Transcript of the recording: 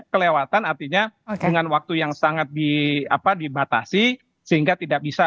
kelewatan artinya dengan waktu yang sangat di apa dibatasi sehingga tidak bisa